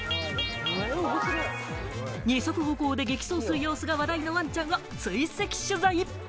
２足歩行で激走する様子が話題のワンちゃんを追跡取材！